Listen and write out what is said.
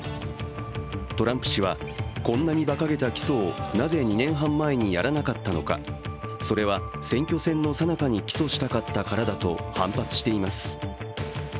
トランプ氏は、こんなにばかげた起訴をなぜ２年半前にやらなかったのか、それは選挙戦のさなかに起訴したかったからだと反発しています。